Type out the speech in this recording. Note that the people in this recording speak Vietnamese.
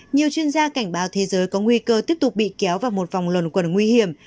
nhiều chuyên gia cảnh báo thế giới có nguy cơ tiếp tục bị kéo vào một vòng luận quẩn nguy hiểm